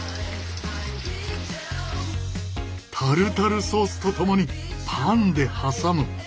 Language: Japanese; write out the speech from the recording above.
タルタルソースと共にパンで挟む。